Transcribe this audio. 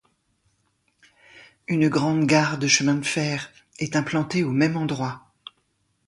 Une grande gare de chemin de fer est implantée au même endroit.